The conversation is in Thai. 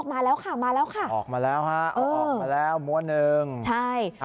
มาแล้วค่ะมาแล้วค่ะออกมาแล้วฮะเอาออกมาแล้วมั้วหนึ่งใช่